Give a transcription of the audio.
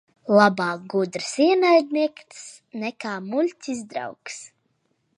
Labāk gudrs ienaidnieks nekā muļķis draugs.